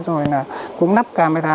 rồi là cũng nắp camera